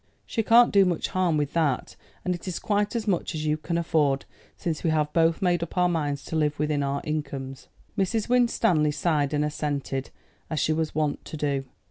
She can't do much harm with that, and it is quite as much as you can afford, since we have both made up our minds to live within our incomes." Mrs. Winstanley sighed and assented, as she was wont to do.